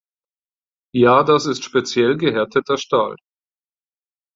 Ja, das ist speziell gehärteter Stahl.